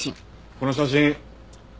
この写真。